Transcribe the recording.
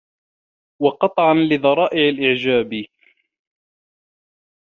وَقَطْعًا لِذَرَائِعِ الْإِعْجَابِ